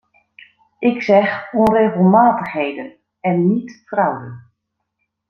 Ik zeg onregelmatigheden en niet fraude.